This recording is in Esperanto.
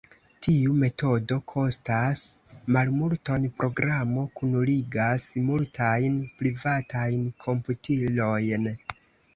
Tiu metodo kostas malmulton: Programo kunligas multajn privatajn komputilojn.